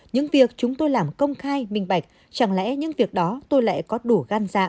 những việc chúng tôi làm công khai minh bạch chẳng lẽ những việc đó tôi lại có đủ gan dạ